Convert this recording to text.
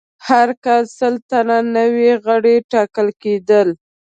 هر کال سل تنه نوي غړي ټاکل کېدل.